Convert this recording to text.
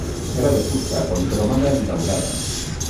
Era de fusta policromada i daurada.